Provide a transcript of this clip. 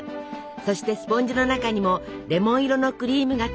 そしてスポンジの中にもレモン色のクリームがたっぷり！